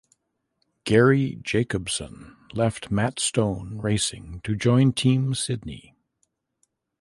Garry Jacobson left Matt Stone Racing to join Team Sydney.